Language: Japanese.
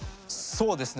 そうですね。